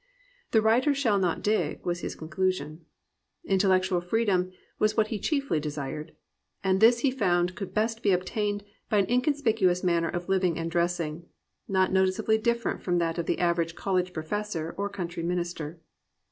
"The writer shall not dig," was his conclusion. Intellectual freedom was what he chiefly desired; and this he found could best be attained in an inconspicuous manner of liv ing and dressing, not noticeably different from that of the average college professor or country minister.